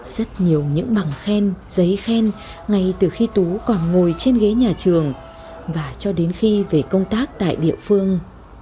rất nhiều những bằng khen giấy khen ngay từ khi tú còn ngồi trên ghế nhà trường và cho đến khi về công tác tại địa phương